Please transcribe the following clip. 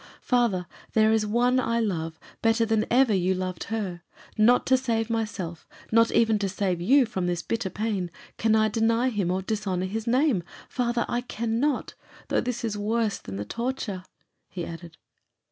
"Father, there is One I love better than ever you loved her. Not to save myself, not even to save you, from this bitter pain, can I deny him or dishonour his name. Father, I cannot! Though this is worse than the torture," he added.